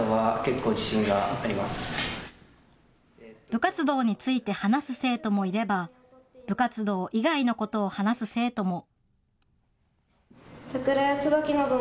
部活動について話す生徒もいれば、部活動以外のことを話す生徒も。